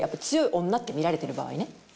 強い女って見られてる場合ね。